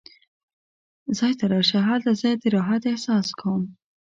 ځای ته راشه، هلته زه د راحت احساس کوم.